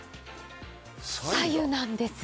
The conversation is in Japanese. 白湯なんです。